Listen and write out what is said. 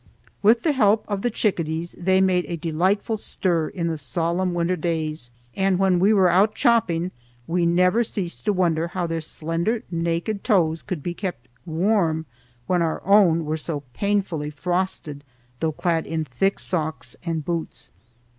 With the help of the chickadees they made a delightful stir in the solemn winter days, and when we were out chopping we never ceased to wonder how their slender naked toes could be kept warm when our own were so painfully frosted though clad in thick socks and boots.